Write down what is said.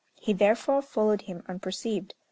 He therefore followed him unperceived.